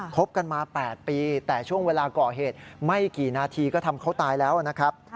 บกันมา๘ปีแต่ช่วงเวลาก่อเหตุไม่กี่นาทีก็ทำเขาตายแล้วนะครับ